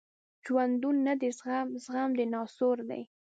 ژوندون نه دی زخم، زخم د ناسور دی